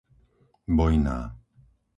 Bojná